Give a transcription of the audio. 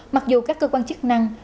mặc dù các cơ quan chức năng